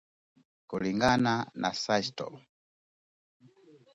kulingana na Crystal